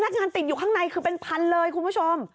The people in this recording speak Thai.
งานติดอยู่ข้างในคือเป็นพันเลยคุณผู้ชม